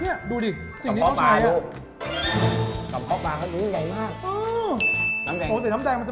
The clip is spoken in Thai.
เฮ้ยดูดิสิ่งที่เขาใช้กลับข้อปลาดูกลับข้อปลาเขาดูใหญ่มาก